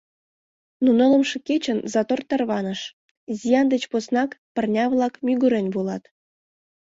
Но нылымше кечын затор тарваныш, зиян деч поснак пырня-влак мӱгырен волат.